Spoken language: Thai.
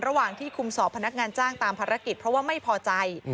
ระหว่างที่คุมสอบพนักงานจ้างตามภารกิจเพราะว่าไม่พอใจ